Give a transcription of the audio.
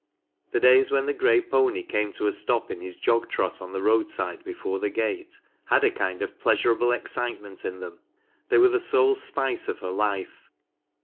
The days when the gray pony came to a stop in his jog trot on the roadside before the gate had a kind of pleasurable excitement in them. They were the sole spice of her life.